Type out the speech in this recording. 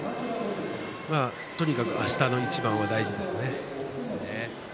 とにかくあしたの一番は大事ですね。